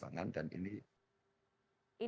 ini yang akan ditingkatkan terus